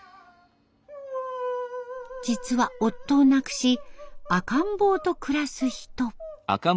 実は夫を亡くし赤ん坊と暮らす人。